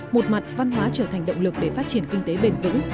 một mặt văn hóa trở thành động lực để phát triển kinh tế bền vững